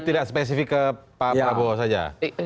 jadi tidak spesifik ke pak prabowo saja